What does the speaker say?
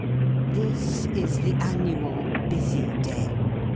This is the annual busy day.